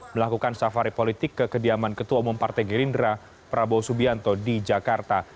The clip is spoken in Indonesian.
melakukan safari politik ke kediaman ketua umum partai gerindra prabowo subianto di jakarta